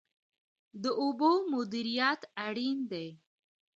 د اوبو مدیریت اړین دی.